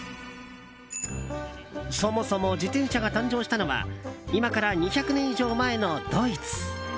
そもそも自転車が誕生したのは今から２００年以上前のドイツ。